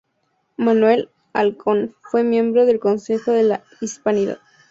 Manuel Halcón fue miembro del Consejo de la Hispanidad.